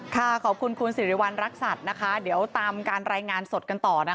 ขอบคุณคุณสิริวัณรักษัตริย์นะคะเดี๋ยวตามการรายงานสดกันต่อนะคะ